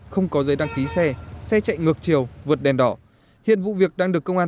không có giấy đăng ký xe xe chạy ngược chiều vượt đèn đỏ hiện vụ việc đang được công an